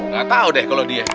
gatau deh kalo dia